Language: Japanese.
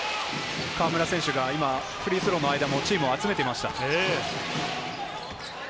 河村選手が今、フリースローの間もチームを集めていました。